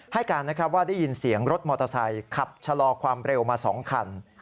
ให้การนะครับว่าได้ยินเสียงรถมอเตอร์ไซค์ขับชะลอความเร็วมา๒คัน